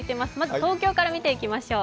東京から見ていきましょう。